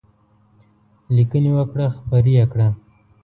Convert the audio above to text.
لیکنې وکړه خپرې یې کړه.